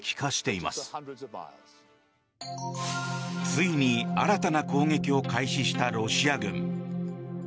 ついに新たな攻撃を開始したロシア軍。